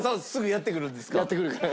やって来るから。